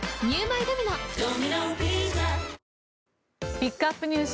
ピックアップＮＥＷＳ